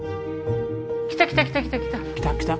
来た来た来た来た来た！来た来た？